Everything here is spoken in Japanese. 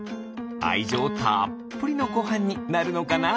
あいじょうたっぷりのごはんになるのかな。